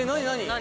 何？